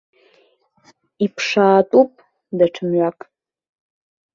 Иԥшаатәуп даҽа мҩак.